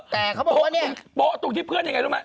แต่เขาบอกว่าเนี่ยโป๊ะตรงที่เพื่อนอย่างไรรู้ไหม